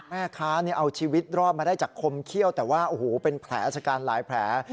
แม่ค้าเอาชีวิตรอดมาได้จากคมเขี้ยวแต่ว่าโอ้โหเป็นแผลชะกันหลายแผล